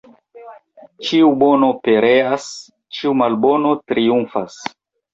Ĉiu bono pereas, ĉiu malbono triumfas.